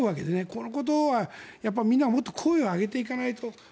このことをはやっぱり、みんなもっと声を上げていかないと。